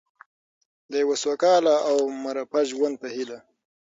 د یو سوکاله او مرفه ژوند په هیله.